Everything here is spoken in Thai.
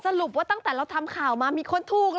สรุปว่าตั้งแต่เราทำข่าวมามีคนถูกห